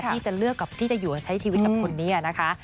ที่จะเลือกที่จะอยู่ใช้ชีวิตกับคนนี้นะคะ